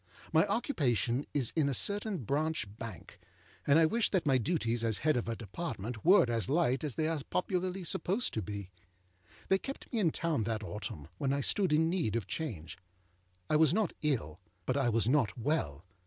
My occupation is in a certain Branch Bank, and I wish that my duties as head of a Department were as light as they are popularly supposed to be. They kept me in town that autumn, when I stood in need of change. I was not ill, but I was not well.